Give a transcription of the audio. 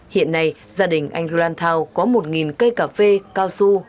hiện nay gia đình anh roan thao có một cây cà phê cao su